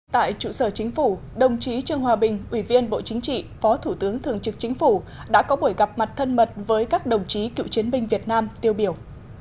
tại trụ sở chính phủ đồng chí trương hòa bình ủy viên bộ chính trị phó thủ tướng thường trực chính phủ đã có buổi gặp mặt thân mật với các đồng chí cựu chiến binh việt nam tiêu biểu